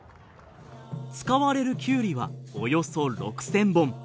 使われるきゅうりはおよそ６０００本。